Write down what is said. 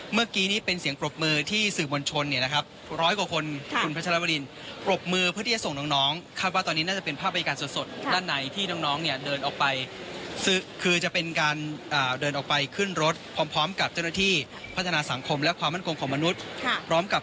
เมื่อกี้นี้เป็นเสียงปรบมือที่สื่อมวลชนเนี่ยนะครับร้อยกว่าคนคุณพัชรวรินปรบมือเพื่อที่จะส่งน้องคาดว่าตอนนี้น่าจะเป็นภาพบริการสดด้านในที่น้องเนี่ยเดินออกไปคือจะเป็นการเดินออกไปขึ้นรถพร้อมกับเจ้าหน้าที่พัฒนาสังคมและความมั่นคงของมนุษย์พร้อมกับ